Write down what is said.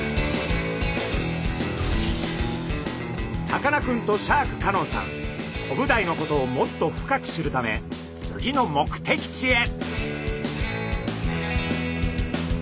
さかなクンとシャーク香音さんコブダイのことをもっと深く知るため次の目的地へ。